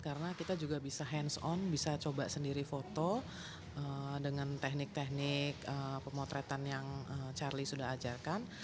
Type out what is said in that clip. karena kita juga bisa hands on bisa coba sendiri foto dengan teknik teknik pemotretan yang charlie sudah ajarkan